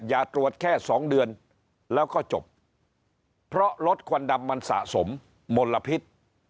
อย่าตรวจแค่๒เดือนแล้วก็จบเพราะรถควันดำมันสะสมมลพิษ